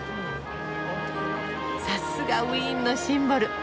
さすがウィーンのシンボル。